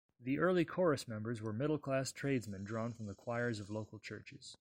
The early chorus members were middle-class tradesmen drawn from the choirs of local churches.